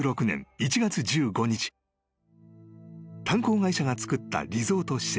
［炭鉱会社がつくったリゾート施設